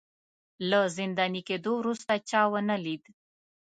له زنداني کېدو وروسته چا ونه لید